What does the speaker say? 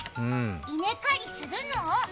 稲刈りするの？